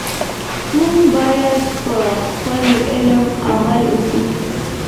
موږ باید په خپل علم عمل وکړو.